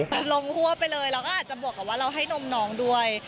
ลงหัวไปเลยเราก็อาจจะบวกกับว่าเราให้นมน้องด้วย